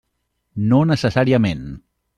No necessàriament.